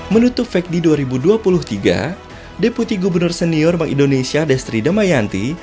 menutup fekdi dua ribu dua puluh tiga deputi gubernur senior bank indonesia destri damayanti